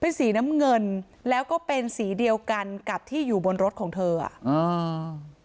เป็นสีน้ำเงินแล้วก็เป็นสีเดียวกันกับที่อยู่บนรถของเธออ่ะอ่า